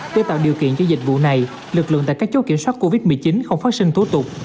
để tạo điều kiện cho dịch vụ này lực lượng tại các chốt kiểm soát covid một mươi chín không phát sinh tố tục